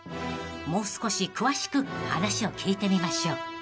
［もう少し詳しく話を聞いてみましょう］